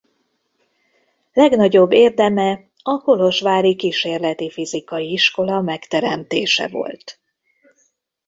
Legnagyobb érdeme a kolozsvári kísérleti fizikai iskola megteremtése volt.